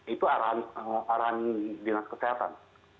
itu arahan dinas kesehatan